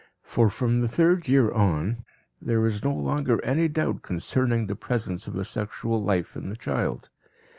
For from the third year on, there is no longer any doubt concerning the presence of a sexual life in the child.